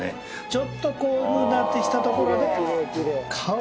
ちょっとこういうふうになってきたところで。